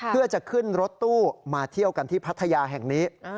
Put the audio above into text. เพื่อจะขึ้นรถตู้มาเที่ยวกันที่พัทยาแห่งนี้